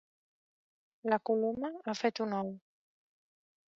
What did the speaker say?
La coloma ha fet un ou.